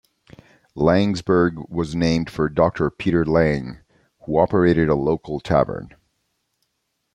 Laingsburg was named for Doctor Peter Laing, who operated a local tavern.